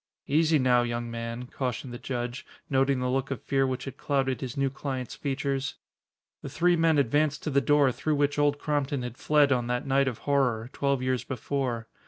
"Easy now, young man," cautioned the judge, noting the look of fear which had clouded his new client's features. The three men advanced to the door through which Old Crompton had fled on that night of horror, twelve years before.